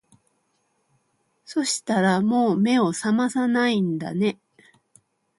そしたらもう目を覚まさないんだね